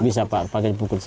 bisa pak pakai bukun saja